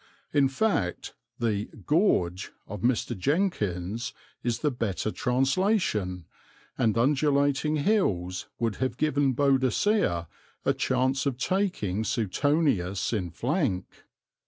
In fact, the "gorge" of Mr. Jenkins is the better translation, and undulating hills would have given Boadicea a chance of taking Suetonius in flank.